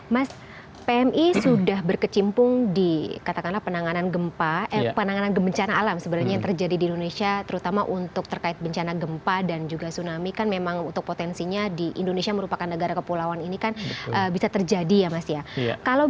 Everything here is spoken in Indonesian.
mas pmi sudah berkecimpung di katakanlah penanganan gempa penanganan bencana alam sebenarnya yang terjadi di indonesia terutama untuk terkait bencana gempa dan juga tsunami kan memang untuk potensinya di indonesia merupakan negara kepulauan ini kan bisa terjadi ya mas ya